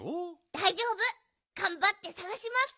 だいじょうぶがんばってさがします。